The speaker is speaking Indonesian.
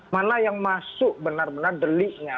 mana yang masuk benar benar deliknya